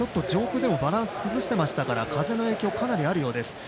上空でもバランスを崩していましたから風の影響があるようです。